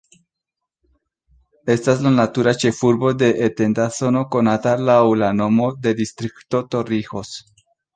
Estas la natura ĉefurbo de etenda zono konata laŭ la nomo de Distrikto Torrijos.